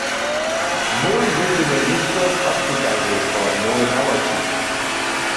Mój jědźemoj nětko k optikarjej po nowe nawoči.